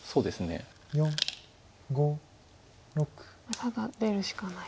ただ出るしかない。